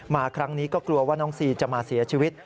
มาครั้งนี้ก็กลัวว่าน้องซีจะมาเสียชีวิต